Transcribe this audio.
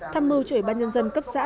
tham mưu chủ yếu ban nhân dân cấp xã